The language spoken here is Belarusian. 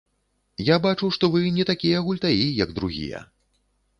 Я бачу, што вы не такія гультаі, як другія.